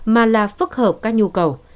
mà là phức hợp các nhu cầu